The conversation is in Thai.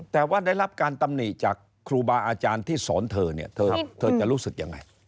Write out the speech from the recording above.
แต่ว่าได้รับการตำหนิจากครูบาอาจารย์ที่สอนเธอเนี่ยเธอจะรู้สึกยังไง